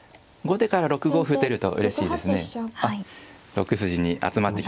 ６筋に集まってきましたね。